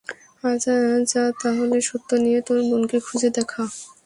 আচ্ছা, যা তাহলে সত্য দিয়ে তোর বোনকে খুঁজে দেখা।